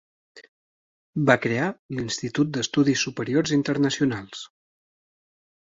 Va crear l'Institut d'Estudis Superiors Internacionals.